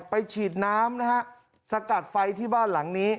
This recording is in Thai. ฉีดน้ำนะฮะสกัดไฟที่บ้านหลังนี้